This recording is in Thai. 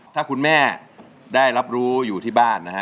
ถ้าคุณแม่ได้รับรู้อยู่ที่บ้านนะฮะ